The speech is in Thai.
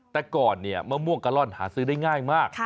แต่ก่อนเนี่ยมะม่วงกะล่อนหาซื้อได้ง่ายมาก